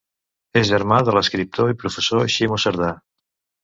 És germà de l'escriptor i professor Ximo Cerdà.